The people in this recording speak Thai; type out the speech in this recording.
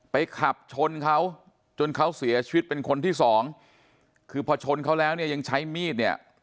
ขับชนเขาจนเขาเสียชีวิตเป็นคนที่สองคือพอชนเขาแล้วเนี่ยยังใช้มีดเนี่ย